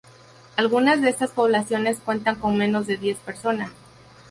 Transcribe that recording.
Algunas de estas poblaciones cuentan con menos de diez personas.